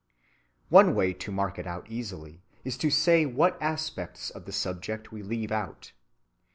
One way to mark it out easily is to say what aspects of the subject we leave out.